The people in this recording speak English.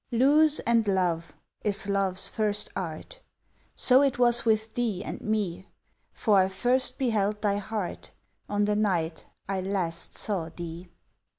"Lose and love" is love's first art; So it was with thee and me, For I first beheld thy heart On the night I last saw thee.